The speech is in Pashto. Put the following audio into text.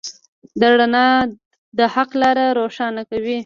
دا رڼا د حق لاره روښانه کوي.